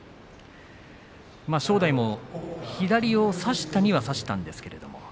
正代も左を差したには差したんですが。